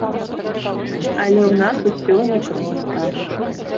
Але ў нас усё не проста.